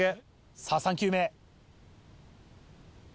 さぁ３球目。